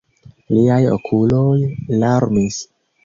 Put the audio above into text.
Liaj okuloj larmis.